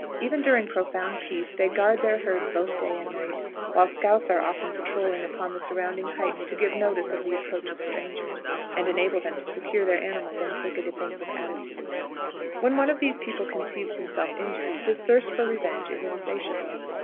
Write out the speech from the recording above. Even during profound peace they guard their herds both night and day, while scouts are often patrolling upon the surrounding heights to give notice of the approach of strangers, and enable them to secure their animals and take a defensive attitude. When one of these people conceives himself injured his thirst for revenge is insatiable.